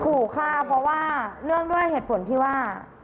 ขู่ฆ่าเพราะว่าเนื่องด้วยเหตุผลที่ว่า